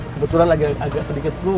kebetulan lagi agak sedikit luh